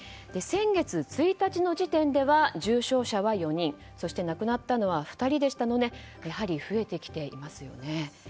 先月１日の時点では重症者は４人そして、亡くなったのは２人でしたのでやはり増えてきていますよね。